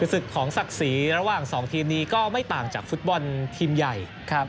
ศึกของศักดิ์ศรีระหว่าง๒ทีมนี้ก็ไม่ต่างจากฟุตบอลทีมใหญ่